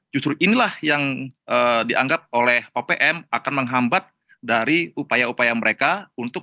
justru inilah yang dianggap oleh opm akan menghambat dari upaya upaya mereka untuk